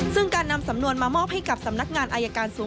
ซึ่งการนำสำนวนมามอบให้กับสำนักงานอายการสูง